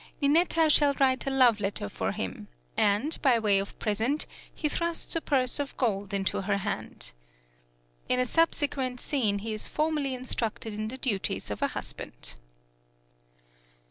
Ninetta shall write a love letter for him, and, by way of present, he thrusts a purse of gold into her hand. In a subsequent scene he is formally instructed in the duties of a husband.